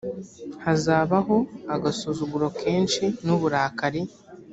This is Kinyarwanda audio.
hazabaho agasuzuguro kenshi n uburakari